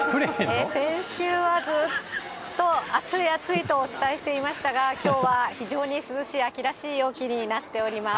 先週はずっと暑い暑いとお伝えしていましたが、きょうは非常に涼しい、秋らしい陽気になっております。